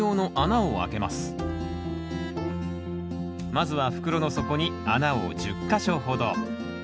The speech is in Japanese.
まずは袋の底に穴を１０か所ほど。